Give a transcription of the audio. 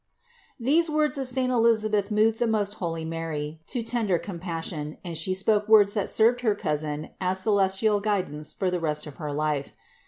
These words of saint Elisabeth moved the most holy Mary to tender compassion and She spoke words that served her cousin as celestial guidance for the rest of her life.